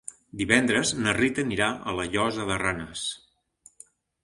Divendres na Rita anirà a la Llosa de Ranes.